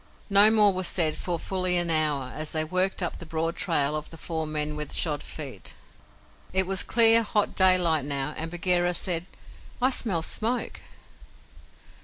No more was said for fully an hour, as they worked up the broad trail of the four men with shod feet. It was clear, hot daylight now, and Bagheera said, "I smell smoke."